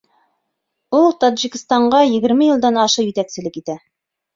Ул Тажикстанға егерме йылдан ашыу етәкселек итә.